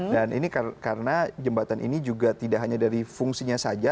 dan ini karena jembatan ini juga tidak hanya dari fungsinya saja